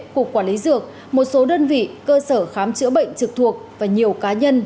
cục quản lý dược một số đơn vị cơ sở khám chữa bệnh trực thuộc và nhiều cá nhân